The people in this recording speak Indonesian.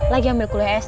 lagi ambil kuliah s dua